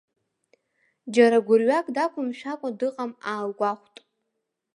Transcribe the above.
Џьара гәырҩак дақәымшәакәан дыҟам аалгәахәт.